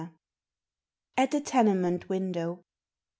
At a Tenement Window.